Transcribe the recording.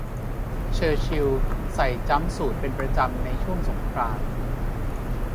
เชอร์ชิลใส่จั๊มสูทเป็นประจำในช่วงสงคราม